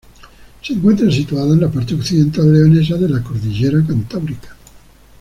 Se encuentra situado en la parte occidental leonesa de la Cordillera Cantábrica.